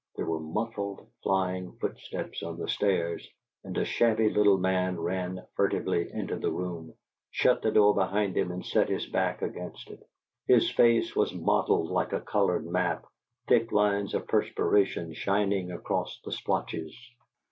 There were muffled, flying footsteps on the stairs, and a shabby little man ran furtively into the room, shut the door behind him, and set his back against it. His face was mottled like a colored map, thick lines of perspiration shining across the splotches.